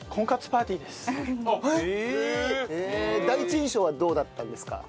第一印象はどうだったんですか？